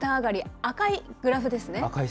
赤いグラフですね。